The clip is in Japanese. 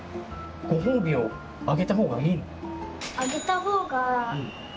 ご褒美をあげた方がいいの？